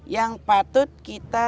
yang patut kita